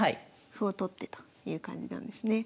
歩を取ってという感じなんですね。